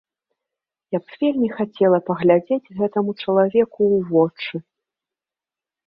Я б вельмі хацела паглядзець гэтаму чалавеку ў вочы.